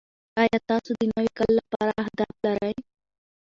ایا تاسو د نوي کال لپاره اهداف لرئ؟